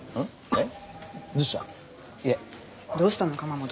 えっ？